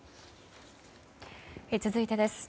続いてです。